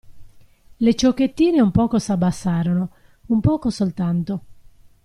Le ciocchettine un poco s'abbassarono, un poco soltanto.